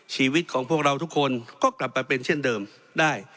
ชีวิตของพวกเราทุกคนก็กลับมาเป็นเช่นเดิมได้